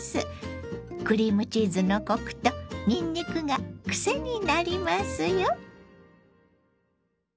クリームチーズのコクとにんにくが癖になりますよ。